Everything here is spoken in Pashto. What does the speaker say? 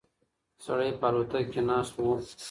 سړی په الوتکه کې ناست و.